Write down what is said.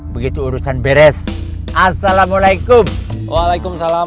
begitu urusan beres assalamualaikum waalaikumsalam